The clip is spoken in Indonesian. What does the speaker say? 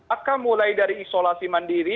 akan mulai dari isolasi mandiri